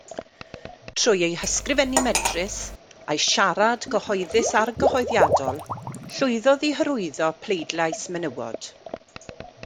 Trwy ei hysgrifennu medrus a'i siarad cyhoeddus argyhoeddiadol, llwyddodd i hyrwyddo pleidlais menywod.